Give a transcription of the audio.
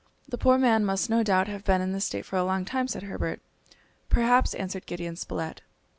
"The poor man must no doubt have been in this state for a long time," said Herbert. "Perhaps," answered Gideon Spilett.